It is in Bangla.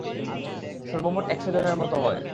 সর্বমোট একশজনের মত হয়।